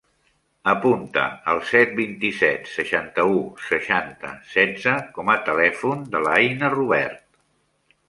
Apunta el set, vint-i-set, seixanta-u, seixanta, setze com a telèfon de l'Aïna Robert.